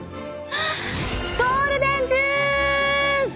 ゴールデンジュース！